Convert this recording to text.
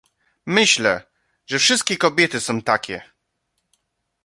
"Myślę, że wszystkie kobiety są takie."